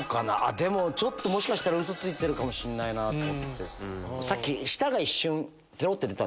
でももしかしたらウソついてるかもしんないと思って。